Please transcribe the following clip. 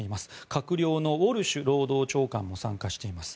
閣僚のウォルシュ労働長官も参加しています。